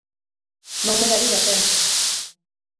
Non me daría tempo.